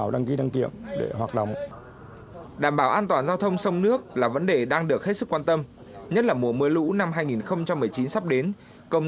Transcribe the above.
đã khiến dư luận khả năng